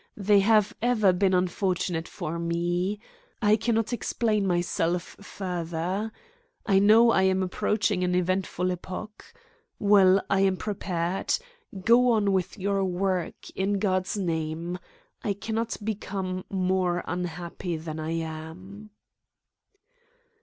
They have ever been unfortunate for me. I cannot explain myself further. I know I am approaching an eventful epoch. Well, I am prepared. Go on with your work, in God's name. I cannot become more unhappy than I am."